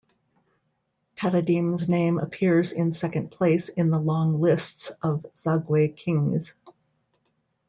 Tatadim's name appears in second place in the long lists of the Zagwe kings.